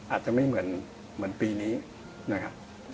อาจจะไม่เหมือนปีนี้นะครับ